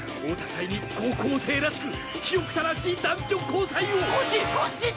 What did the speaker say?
お互いに高校生らしく清く正しい男女交際をっ！